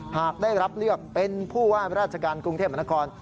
หากได้รับเลือกเป็นผู้ว่าราชการกรุงเทพมหานคร